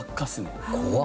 怖っ！